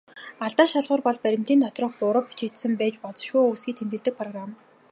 Алдаа шалгуур бол баримтын доторх буруу бичигдсэн байж болзошгүй үгсийг тэмдэглэдэг программ.